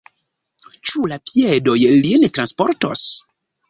Ĉu la piedoj lin transportos?